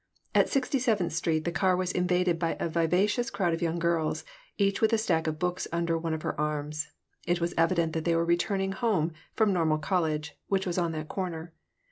At Sixty seventh Street the car was invaded by a vivacious crowd of young girls, each with a stack of books under one of her arms. It was evident that they were returning home from Normal College, which was on that corner.